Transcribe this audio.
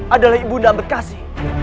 adalah ibu ndako ambedkasi